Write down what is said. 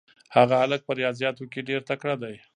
هغه هلک په ریاضیاتو کې ډېر تکړه دی.